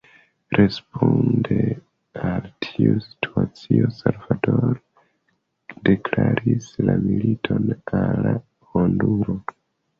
Responde al tiu situacio, Salvadoro deklaris la militon al Honduro.